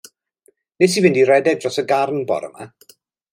Nes i fynd i redeg dros y garn bore 'ma.